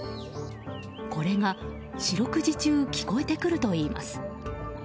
これが四六時中聞こえてくるといいます。